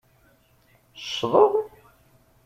Ccḍeɣ?